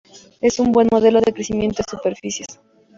Es un buen modelo de crecimiento de superficies.